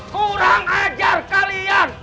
kurang ajar kalian